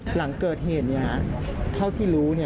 หลังเกิดเหตุเท่าที่รู้